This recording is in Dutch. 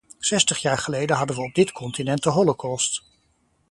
Zestig jaar geleden hadden we op dit continent de holocaust.